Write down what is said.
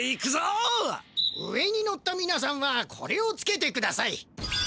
上に乗ったみなさんはこれをつけてください。